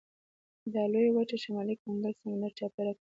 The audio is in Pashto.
دا لویه وچه شمالي کنګل سمندر چاپېره کړې ده.